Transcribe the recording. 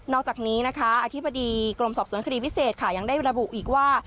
อกจากนี้นะคะอธิบดีกรมสอบสวนคดีพิเศษค่ะยังได้ระบุอีกว่า